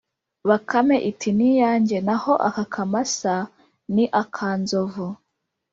bakame iti: ‘ni iyanjye; naho aka kamasa ni aka nzovu.’